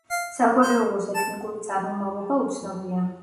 საგვარეულოს ეთნიკური წარმომავლობა უცნობია.